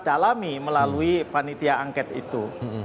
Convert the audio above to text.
dalami melalui panitia angket itu